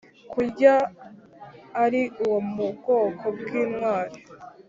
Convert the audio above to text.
kurya ari uwo mu bwoko bw' intwari;